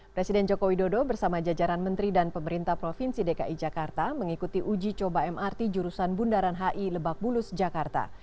presiden jokowi dodo bersama jajaran menteri dan pemerintah provinsi dki jakarta mengikuti uji coba mrt jurusan bundaran hi lebak bulus jakarta